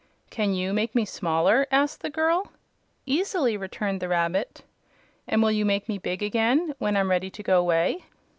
"Can YOU make me smaller?" asked the girl. "Easily," returned the rabbit. "And will you make me big again, when I'm ready to go away?"